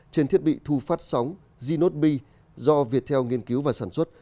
trên thiết bị thu phát sóng zynote b do viettel nghiên cứu và sản xuất